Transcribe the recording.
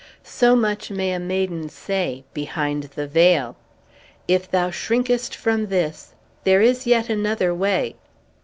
So much may a maiden say behind the veil. If thou shrinkest from this, there is yet another way."